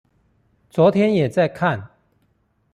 昨天也在看